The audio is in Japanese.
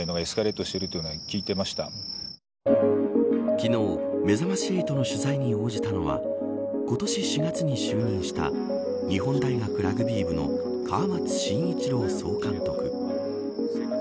すると、いじめかどうかの認識に昨日、めざまし８の取材に応じたのは今年４月に就任した日本大学ラグビー部の川松真一朗総監督。